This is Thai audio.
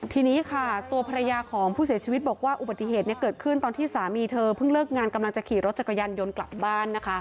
ทีนี้ค่ะตัวภรรยาของผู้เสียชีวิตบอกว่าอุบัติเหตุเกิดขึ้นตอนที่สามีเธอเพิ่งเลิกงานกำลังจะขี่รถจักรยานยนต์กลับบ้านนะคะ